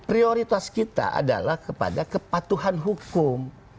prioritas kita adalah kepada kepatuhan hukum